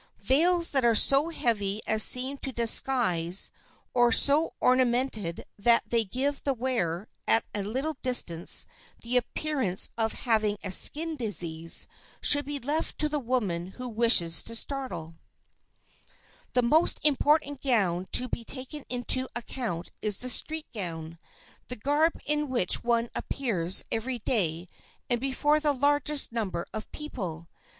Veils that are so heavy as to seem disguises or so ornamented that they give the wearer, at a little distance, the appearance of having a skin disease, should be left to the women who wish to startle. [Sidenote: THE STREET GOWN] The most important gown to be taken into account is the street gown, the garb in which one appears every day and before the largest number of people.